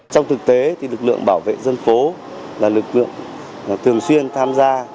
trong thực tế lực lượng bảo vệ dân phố là lực lượng thường xuyên tham gia